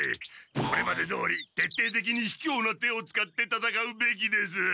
これまでどおりてっていてきにひきょうな手を使ってたたかうべきです！